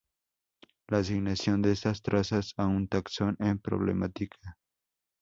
La asignación de estas trazas a un taxón en problemática.